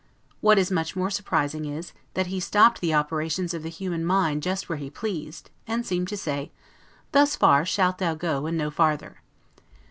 What is much more surprising is, that he stopped the operations of the human mind just where he pleased; and seemed to say, "Thus far shalt thou go, and no farther."